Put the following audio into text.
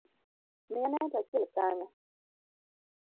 Miya net achiel kanyo